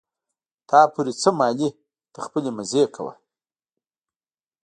تا پورې څه مالې ته خپلې مزې کوه.